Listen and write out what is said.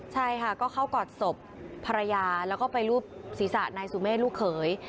ใช่ค่ะก็เข้ากอดศพภรรยาแล้วก็ไปรูปศีรษะนายสุเมฆลูกเขย